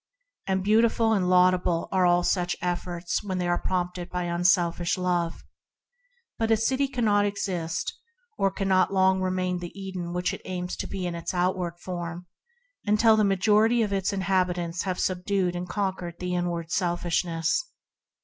Beautiful and laudable are all such efforts when prompted by divine love. But such a city cannot exist, or cannot long remain the Eden it aims to be in its outward form, unless the majority of its inhabitants have sub dued and conquered the inward selfishness.